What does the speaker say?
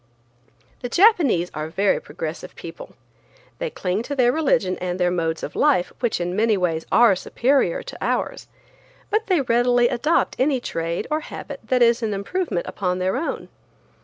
The Japanese are very progressive people. They cling to their religion and their modes of life, which in many ways are superior to ours, but they readily adopt any trade or habit that is an improvement upon their own.